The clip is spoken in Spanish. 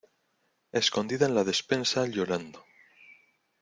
escondida en la despensa llorando